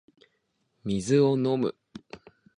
水を飲む